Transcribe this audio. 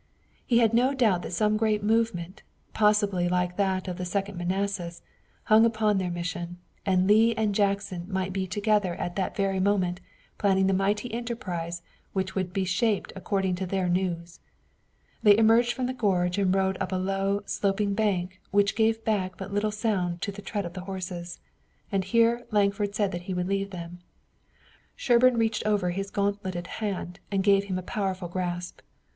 He had no doubt that some great movement, possibly like that of the Second Manassas, hung upon their mission, and Lee and Jackson might be together at that very moment, planning the mighty enterprise which would be shaped according to their news. They emerged from the gorge and rode up a low, sloping bank which gave back but little sound to the tread of the horses, and here Lankford said that he would leave them. Sherburne reached over his gauntleted hand and gave him a powerful grasp.